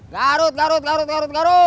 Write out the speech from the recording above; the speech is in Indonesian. garut garut garut garut